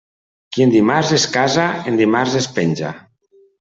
Qui en dimarts es casa, en dimarts es penja.